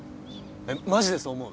えっマジでそう思う？